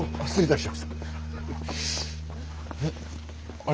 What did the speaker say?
あれ？